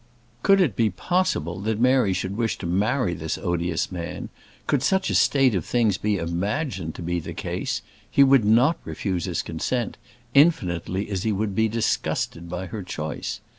Could it be possible that Mary should wish to marry this odious man, could such a state of things be imagined to be the case, he would not refuse his consent, infinitely as he would be disgusted by her choice.